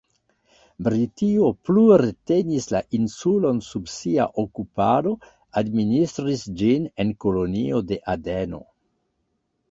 Britio plu retenis la insulon sub sia okupado, administris ĝin el Kolonio de Adeno.